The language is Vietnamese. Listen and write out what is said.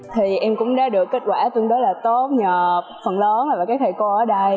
thì em cũng đã được kết quả tương đối là tốt nhờ phần lớn là các thầy cô ở đây